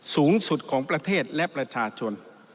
สูงสุดของประเทศและประชาชน